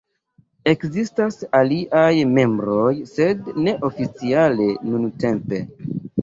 Ekzistas aliaj membroj, sed ne oficiale nuntempe.